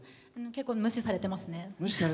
結構、無視されてますね。